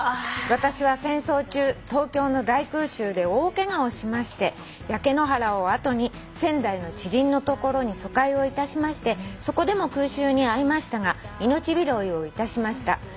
「私は戦争中東京の大空襲で大ケガをしまして焼け野原を後に仙台の知人の所に疎開をいたしましてそこでも空襲に遭いましたが命拾いをいたしました」